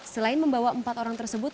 selain membawa empat orang tersebut